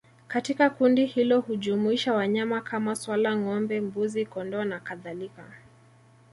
Katika kundi hilo hujumuisha wanyama kama swala ngombe mbuzi kondoo na kadhalika